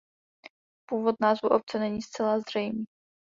Původ názvu obce není zcela zřejmý.